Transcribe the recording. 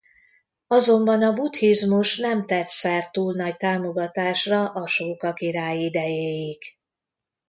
Azonban a buddhizmus nem tett szert túl nagy támogatásra Asóka király idejéig.